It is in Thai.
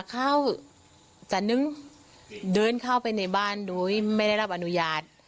เข้าจันนึงเดินเข้าไปในบ้านโดยไม่ได้รับอนุญาต